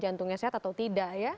jantungnya sehat atau tidak ya